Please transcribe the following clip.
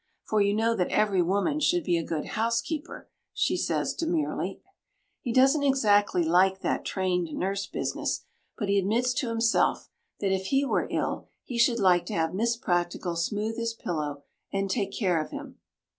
"For you know that every woman should be a good housekeeper," she says demurely. He doesn't exactly like "that trained nurse business," but he admits to himself that, if he were ill, he should like to have Miss Practical smooth his pillow and take care of him.